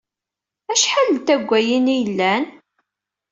Acḥal n taggayin ay yellan?